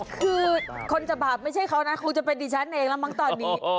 คือคนจะบาปไม่ใช่เขานะคงจะเป็นดิฉันเองแล้วมั้งตอนนี้